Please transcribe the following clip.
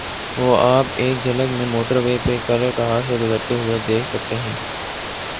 وہ آپ ایک جھلک میں موٹروے پہ کلرکہار سے گزرتے ہوئے دیکھ سکتے ہیں۔